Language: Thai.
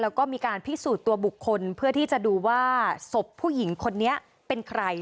แล้วก็มีการพิสูจน์ตัวบุคคลเพื่อที่จะดูว่าศพผู้หญิงคนนี้เป็นใคร